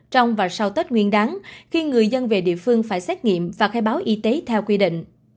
trong và sau tết nguyên đáng khi người dân về địa phương phải xét nghiệm và khai báo y tế theo quy định